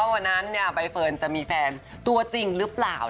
วันนั้นใบเฟิร์นจะมีแฟนตัวจริงหรือเปล่า